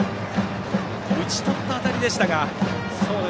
打ち取った当たりでしたが。